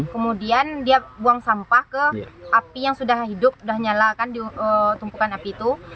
kemudian dia buang sampah ke api yang sudah hidup sudah nyala kan di tumpukan api itu